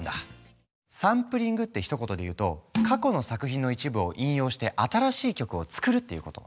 サンプリングってひと言で言うと過去の作品の一部を引用して新しい曲を作るっていうこと。